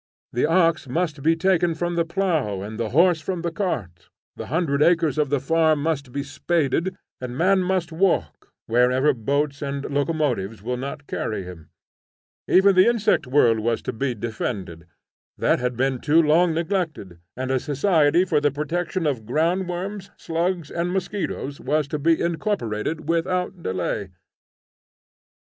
The ox must be taken from the plough and the horse from the cart, the hundred acres of the farm must be spaded, and the man must walk, wherever boats and locomotives will not carry him. Even the insect world was to be defended, that had been too long neglected, and a society for the protection of ground worms, slugs, and mosquitos was to be incorporated without delay.